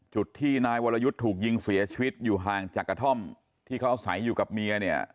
จุดที่นายวรยุทธ์ถูกยิงเสียชีวิตอยู่ห่างจากกระท่อมที่เขาอาศัยอยู่กับเมียเนี่ย